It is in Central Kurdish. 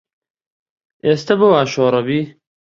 ئێستە بۆ وا شۆڕەبی